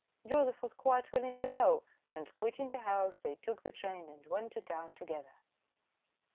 Joseph was quite willing to go, and quitting the house, they took the train and went to town together.